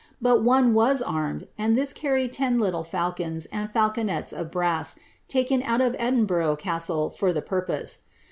But one vras armed, and this carried ten little fiilcons and falconets of brass, taken out of Edinburgh castle for the purpose.